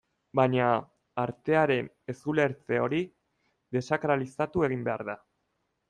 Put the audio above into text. Baina, artearen ez-ulertze hori desakralizatu egin behar da.